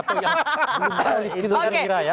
atau yang belum balik gitu kira kira ya